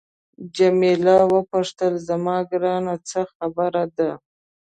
جميله وپوښتل زما ګرانه څه خبره ده.